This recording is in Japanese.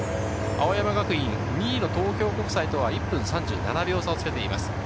青山学院、２位の東京国際とは１分３７秒差をつけています。